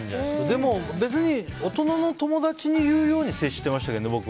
でも、別に大人の友達に言うように接してましたけどね。